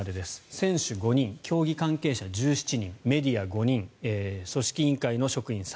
選手５人競技関係者１７人メディア５人組織委員会の職員３